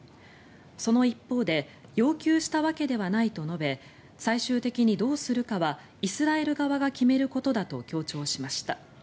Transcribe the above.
その一方で要求したわけではないと述べ最終的にどうするかはイスラエル側が決めることだと強調しました。